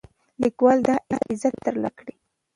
لیکوال دا عزت ترلاسه کړی.